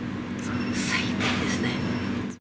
最低ですね。